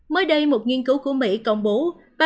mới đây một nghiên cứu của mỹ công bố